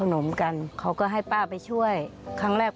ป้าก็ทำของคุณป้าได้ยังไงสู้ชีวิตขนาดไหนติดตามกัน